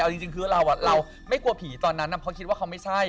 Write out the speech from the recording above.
เอาจริงคือเราไม่กลัวผีตอนนั้นเพราะคิดว่าเขาไม่ใช่